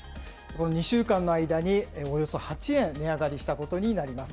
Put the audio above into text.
この２週間の間におよそ８円値上がりしたことになります。